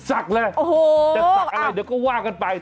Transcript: จะสักอะไรเดี๋ยวก็ว่ากันไป